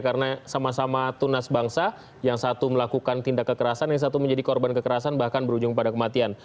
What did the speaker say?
karena sama sama tunas bangsa yang satu melakukan tindak kekerasan yang satu menjadi korban kekerasan bahkan berujung pada kematian